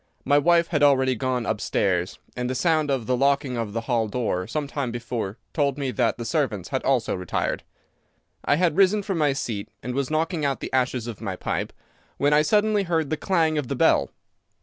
My wife had already gone upstairs, and the sound of the locking of the hall door some time before told me that the servants had also retired. I had risen from my seat and was knocking out the ashes of my pipe when I suddenly heard the clang of the bell.